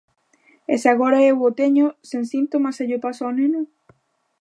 E se agora eu o teño sen síntomas e llo paso ao neno?